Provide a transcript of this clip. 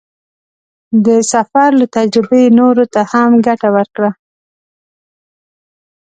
د سفر له تجربې نورو ته هم ګټه ورکړه.